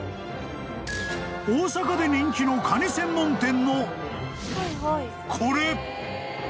［大阪で人気のカニ専門店のこれ！］